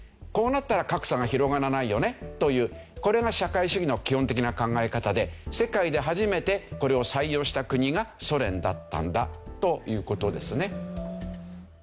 こうなったら格差が広がらないよねというこれが社会主義の基本的な考え方で世界で初めてこれを採用した国がソ連だったんだという事ですね。